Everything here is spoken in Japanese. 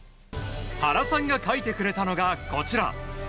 原さんが描いてくれたのがこちら。